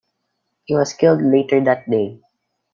He was killed later that day.